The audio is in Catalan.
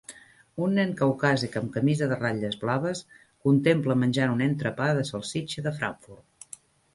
Un nen caucàsic amb camisa de ratlles blaves contempla menjant un entrepà de salsitxa de Frankfurt.